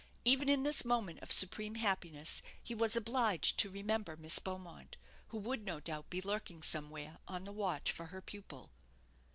Even in this moment of supreme happiness he was obliged to remember Miss Beaumont, who would, no doubt, be lurking somewhere on the watch for her pupil.